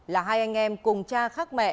là hai anh em cùng truy nã